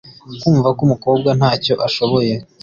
kumva ko umukobwa ntacyo ashoboye,